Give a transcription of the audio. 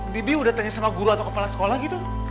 bibi udah tanya sama guru atau kepala sekolah gitu